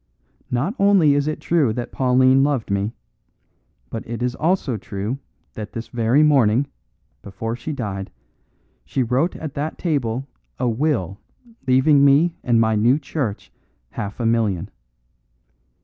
Not only is it true that Pauline loved me, but it is also true that this very morning, before she died, she wrote at that table a will leaving me and my new church half a million.